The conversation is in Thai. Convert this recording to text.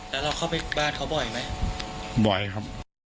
แล้วเราเข้าไปบ้านเขาบ่อยไหมบ่อยครับ